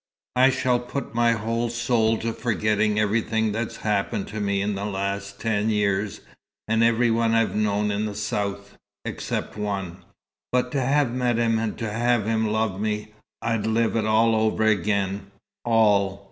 "I shall put my whole soul to forgetting everything that's happened to me in the last ten years, and every one I've known in the south except one. But to have met him and to have him love me, I'd live it all over again all."